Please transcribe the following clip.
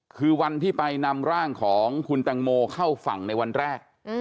คือวันที่ไปนำร่างของคุณแตงโมเข้าฝั่งในวันแรก